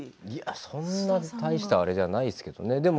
そんな大したあれじゃないですけれどね。